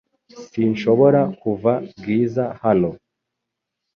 Sinshobora kuva Bwiza hano .